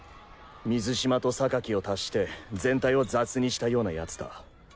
水嶋とを足して全体を雑にしたような奴だ。